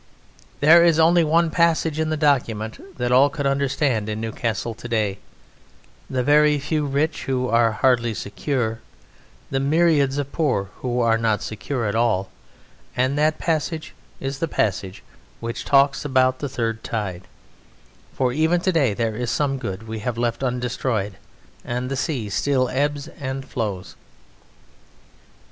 There is only one passage in the document that all could understand in Newcastle to day the very few rich who are hardly secure, the myriads of poor who are not secure at all and that passage is the passage which talks of the third tide; for even to day there is some good we have left undestroyed and the sea still ebbs and flows.